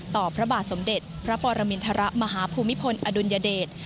พระบาทสมเด็จพระปรมินทรมาฮภูมิพลอดุลยเดช